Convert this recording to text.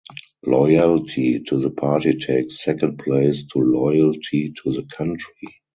"Loyalty to the party takes second place to loyalty to the country".